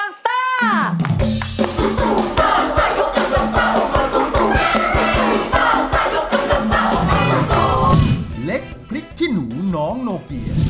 เล็กพริกขี้หนูน้องโนเกีย